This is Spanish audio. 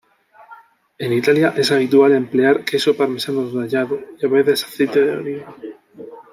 En Italia es habitual emplear queso parmesano rallado y a veces aceite de oliva.